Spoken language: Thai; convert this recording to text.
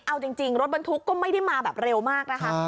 เอาจริงรถบรรทุกก็ไม่ได้มาแบบเร็วมากนะคะ